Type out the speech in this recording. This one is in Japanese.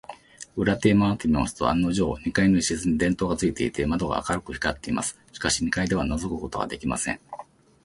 裏手へまわってみますと、案のじょう、二階の一室に電燈がついていて、窓が明るく光っています。しかし、二階ではのぞくことができません。